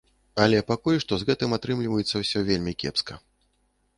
Але пакуль што з гэтым атрымліваецца ўсё вельмі кепска.